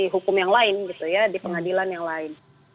hukum yang lain di pengadilan yang lain